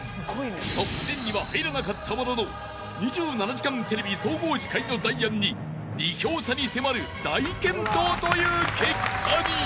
［トップ１０には入らなかったものの『２７時間テレビ』総合司会のダイアンに２票差に迫る大健闘という結果に］